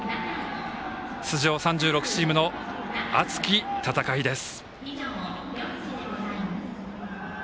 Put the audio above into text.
出場３６チームの熱き戦いです。